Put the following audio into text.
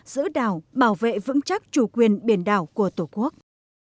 giữ đảo bảo vệ vững chắc chủ quyền biển đảo của tổ quốc